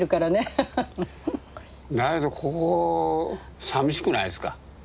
だけどここさみしくないですか？